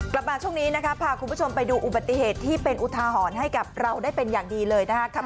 กลับมาช่วงนี้นะครับพาคุณผู้ชมไปดูอุบัติเหตุที่เป็นอุทาหรณ์ให้กับเราได้เป็นอย่างดีเลยนะครับ